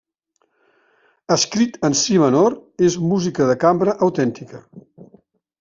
Escrit en si menor, és música de cambra autèntica.